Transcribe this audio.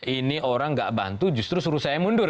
ini orang nggak bantu justru suruh saya mundur